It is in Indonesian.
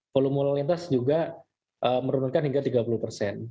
kolumulitas juga menurunkan hingga tiga puluh persen